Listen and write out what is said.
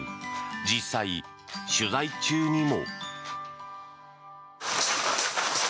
実際、取材中にも。